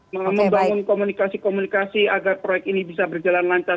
membangun komunikasi komunikasi agar proyek ini bisa berjalan lancar